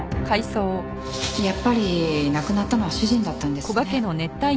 やっぱり亡くなったのは主人だったんですね。